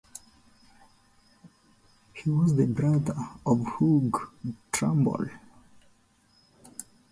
He was the brother of Hugh Trumble.